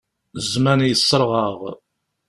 Zzman yeṣṣreɣ-aɣ.